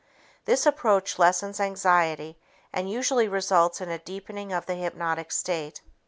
This approach lessens anxiety and usually results in a deepening of the hypnotic state.